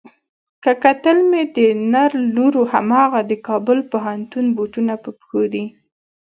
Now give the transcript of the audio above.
که کتل مې د نر لور هماغه د کابل پوهنتون بوټونه په پښو دي.